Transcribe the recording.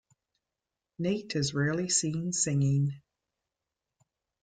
Nate is rarely seen singing.